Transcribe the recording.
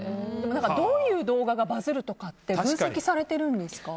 どういう動画がバズるとかって分析されてるんですか？